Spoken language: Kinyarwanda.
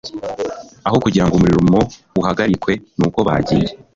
Aho kugira ngo umurimo uhagarikwe n'uko bagiye,